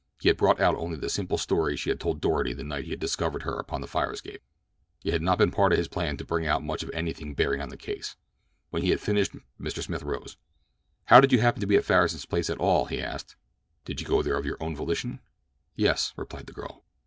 He had brought out only the simple story she had told Doarty the night he had discovered her upon the fire escape. It had not been a part of his plan to bring out much of anything bearing on the case. When he had finished Mr. Smith arose. "How did you happen to be at Farris's place at all?" he asked. "Did you go there of your own volition?" "Yes," replied the girl.